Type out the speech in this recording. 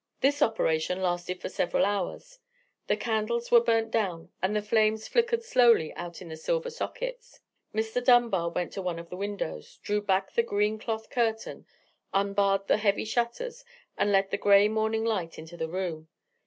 This operation lasted for several hours. The candles were burnt down, and the flames flickered slowly out in the silver sockets. Mr. Dunbar went to one of the windows, drew back the green cloth curtain, unbarred the heavy shutters, and let the grey morning light into the room.